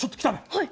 はい。